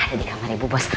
ada di kamarnya ibu bos